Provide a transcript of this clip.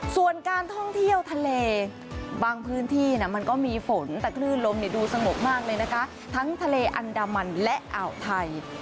ส่วนการท่องเที่ยวทะเลบางพื้นที่มันก็มีฝนแต่คลื่นลมดูสงบมากเลยนะคะทั้งทะเลอันดามันและอ่าวไทย